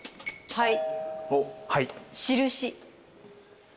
はい。